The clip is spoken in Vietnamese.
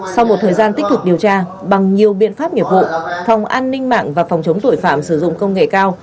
sau một thời gian tích cực điều tra bằng nhiều biện pháp nghiệp vụ phòng an ninh mạng và phòng chống tội phạm sử dụng công nghệ cao